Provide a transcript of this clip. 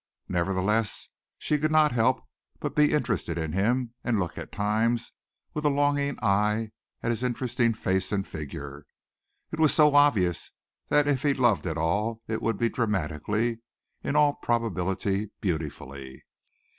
Nevertheless she could not help but be interested in him and look at times with a longing eye at his interesting face and figure. It was so obvious that if he loved at all it would be dramatically, in all probability, beautifully.